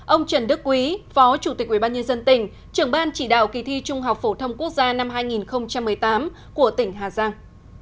ông trần đức quý phó chủ tịch ubnd tỉnh trưởng ban chỉ đạo kỳ thi trung học phổ thông quốc gia năm hai nghìn một mươi tám của tỉnh hà giang